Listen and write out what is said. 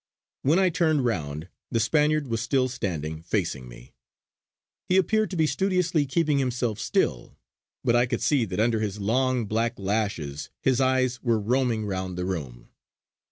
When I turned round, the Spaniard was still standing, facing me. He appeared to be studiously keeping himself still; but I could see that under his long black lashes his eyes were roaming round the room.